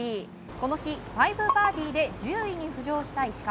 この日、５バーディーで１０位に浮上した石川。